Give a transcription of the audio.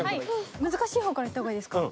難しい方からいった方がいいですか？